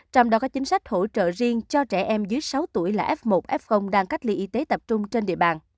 trong đó có chính sách hỗ trợ riêng cho trẻ em dưới sáu tuổi là f một f đang cách ly y tế tập trung trên địa bàn